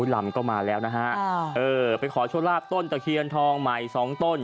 ลำก็มาแล้วนะฮะเออไปขอโชคลาภต้นตะเคียนทองใหม่สองต้น